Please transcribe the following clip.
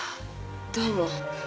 どうも。